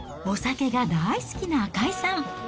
お酒が大好きな赤井さん。